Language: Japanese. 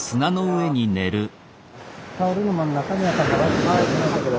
タオルの真ん中に頭を。